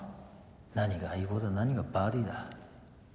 何が相棒だ何がバディーだ。